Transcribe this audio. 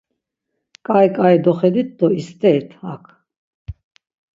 Ǩai ǩai doxedit do isterit hak.